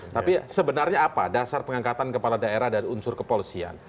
tapi sebenarnya apa dasar pengangkatan kepala daerah dari unsur kepolisian